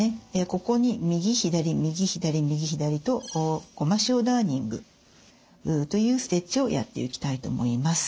ここに右左右左右左とゴマシオダーニングというステッチをやっていきたいと思います。